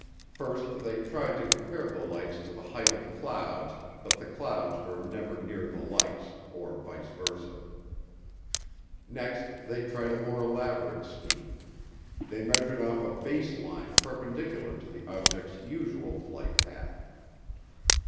First they tried to compare the lights to the height of clouds but the clouds were never near the lights, or vice versa. Next they tried a more elaborate scheme. They measured off a base line perpendicular to the objects' usual flight path.